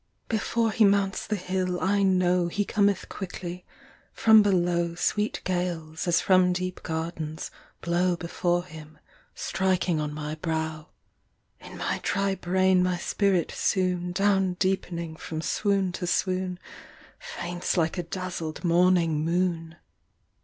> Before he mounts the hill, I know He cometh quickly: from below Sweet gales, as from deep gardens, blow Before him, striking on my brow. In my dry brain my spirit soon, Down deepening from swoon to swoon, Faints like a dazzled morning moon.